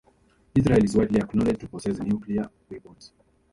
Israel is widely acknowledged to possess nuclear weapons.